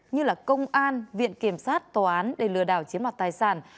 như công an viện kiểm soát tòa án để lừa đảo chiếm hoạt tài sản